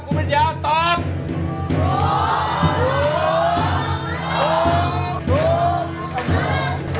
คุณไปยาวตอบ